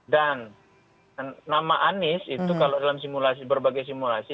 dan nama anies itu kalau dalam simulasi berbagai simulasi